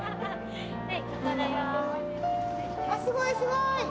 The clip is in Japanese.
あっすごいすごい！